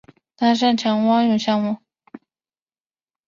他擅长蛙泳项目。